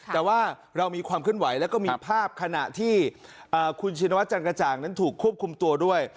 แต่ว่าเรามีความเคลื่อนไหวแล้วก็มีภาพขณะที่คุณชินวัจจันกระจ่างนั้นถูกควบคุมตัวด้วย